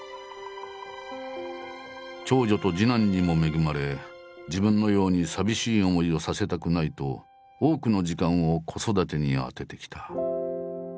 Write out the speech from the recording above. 長女と次男にも恵まれ自分のように寂しい思いをさせたくないと多くの時間を子育てに充ててきた。